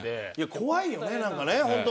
怖いよねなんかね本当。